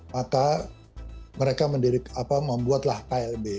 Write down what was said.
maka mereka membuatlah klb